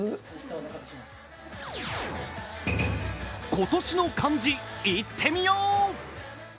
今年の漢字、いってみよう！